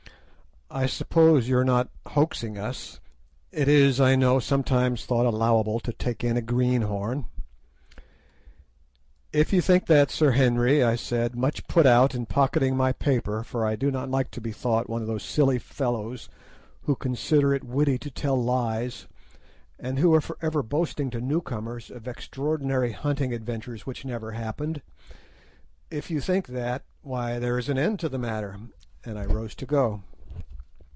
"I suppose you are not hoaxing us? It is, I know, sometimes thought allowable to take in a greenhorn." "If you think that, Sir Henry," I said, much put out, and pocketing my paper—for I do not like to be thought one of those silly fellows who consider it witty to tell lies, and who are for ever boasting to newcomers of extraordinary hunting adventures which never happened—"if you think that, why, there is an end to the matter," and I rose to go.